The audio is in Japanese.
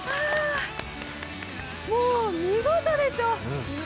もう見事でしょう。